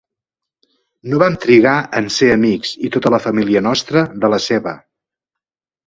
No vam trigar en ser amics i tota la família nostra de la seva.